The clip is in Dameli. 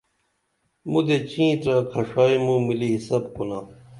مُدے ڇِنترہ کھشائی موں ملی حساب کُنا